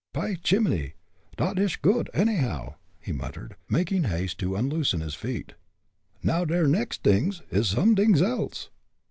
"Py shimminy, dot ish goot, anyhow," he muttered, making haste to unloosen his feet. "Now, der next t'ings is somedings else.